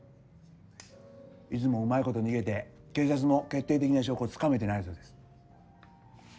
いつもうまいこと逃げて警察も決定的な証拠をつかめてないそうです。